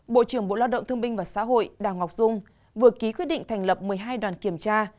bộ trưởng bộ lao động thương binh và xã hội đào ngọc dung vừa ký quyết định thành lập một mươi hai đoàn kiểm tra